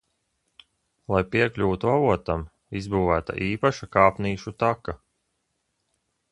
Lai piekļūtu avotam, izbūvēta īpaša kāpnīšu taka.